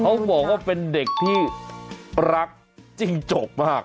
เขาบอกว่าเป็นเด็กที่รักจิ้งจกมาก